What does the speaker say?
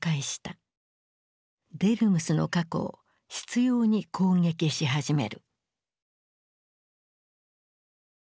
デルムスの過去を執ように攻撃し始める。